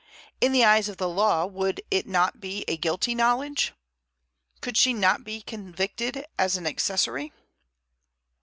In the eyes of the law would it not be a guilty knowledge? Could she not be convicted as an accessory?